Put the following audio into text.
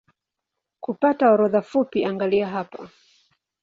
Kupata orodha fupi angalia hapa